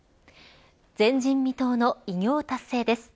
前人未踏の偉業達成です。